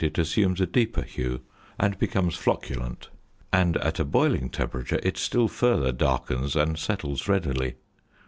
it assumes a deeper hue, and becomes flocculent; and at a boiling temperature it still further darkens and settles readily.